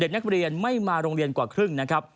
นักเรียนไม่มาโรงเรียนกว่าครึ่งนะครับ